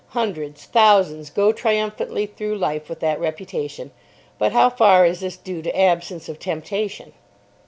Hundreds, thousands go triumphantly through life with that reputation. But how far is this due to absence of temptation?